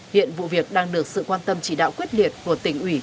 hiện vụ việc đang được sự quan tâm chỉ đạo quyết liệt của tỉnh ủy